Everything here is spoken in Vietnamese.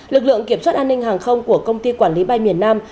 lực lượng kiểm soát an ninh hàng không của công ty quản lý bay miền nam